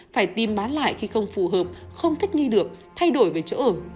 phải tìm bán lại khi không phù hợp không thích nghi được thay đổi về chỗ ở